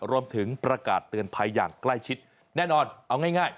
รวมถึงประกาศเตือนภัยอย่างใกล้ชิดแน่นอนเอาง่าย